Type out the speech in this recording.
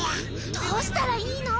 どうしたらいいの？